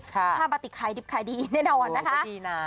ผ้าบาติกใครดิบใครดีแน่นอนนะคะ